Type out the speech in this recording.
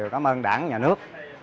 cảm ơn đảng nhà nước